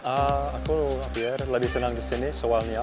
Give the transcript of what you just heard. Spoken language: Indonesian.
aku lebih senang di sini soalnya